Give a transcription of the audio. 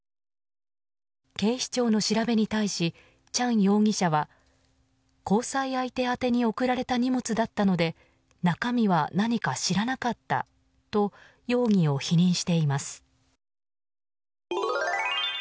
警視庁の調べに対しチャン容疑者は交際相手宛に送られた荷物だったので中身は何か知らなかったと容疑を否認しています。